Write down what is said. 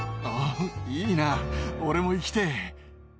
ああいいな俺も行きてぇ。